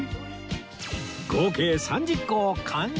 合計３０個を完食！